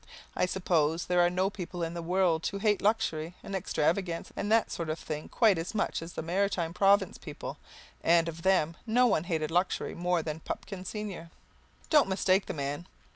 I suppose there are no people in the world who hate luxury and extravagance and that sort of thing quite as much as the Maritime Province people, and, of them, no one hated luxury more than Pupkin senior. Don't mistake the man.